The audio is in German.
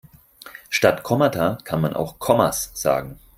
Statt Kommata kann man auch Kommas sagen.